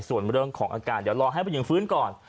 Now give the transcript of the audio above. ส่วนเรื่องของอาการเดี๋ยวรอให้ผู้หญิงฟื้นก่อน